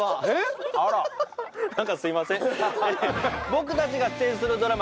僕たちが出演するドラマ